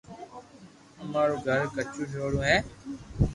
اما رو گھر ڪچو ٺيورو ھي